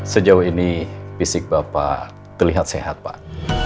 sejauh ini fisik bapak terlihat sehat pak